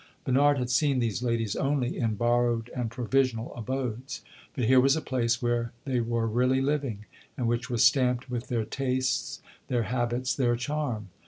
Bernard had seen these ladies only in borrowed and provisional abodes; but here was a place where they were really living and which was stamped with their tastes, their habits, their charm.